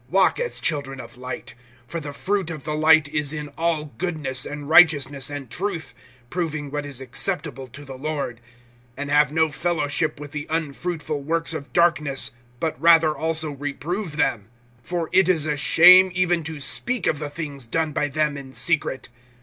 Walk as children of light, (9)for the fruit of the light is in all goodness and righteousness and truth, (10)proving what is acceptable to the Lord; (11)and have no fellowship with the unfruitful works of darkness, but rather also reprove them. (12)For it is a shame even to speak of the things done by them in secret.